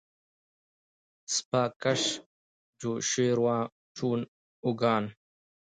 سپه کش چو شیروي و چون آوگان